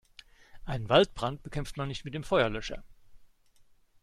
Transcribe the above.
Einen Waldbrand bekämpft man nicht mit dem Feuerlöscher.